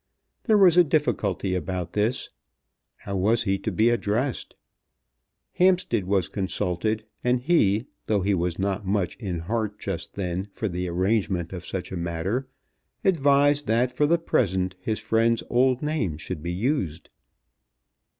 There was a difficulty about this. How was he to be addressed? Hampstead was consulted, and he, though he was not much in heart just then for the arrangement of such a matter, advised that for the present his friend's old name should be used.